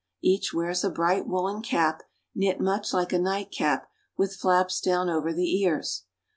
Each wears a bright woolen cap, knit much like a nightcap, with flaps down over the ears.